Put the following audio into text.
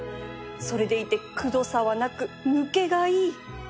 それでいてくどさはなく抜けがいい！